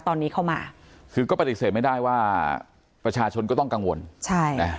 ตอนนี้เข้ามาคือก็ปฏิเสธไม่ได้ว่าประชาชนก็ต้องกังวลใช่นะ